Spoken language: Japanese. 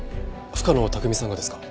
深野拓実さんがですか？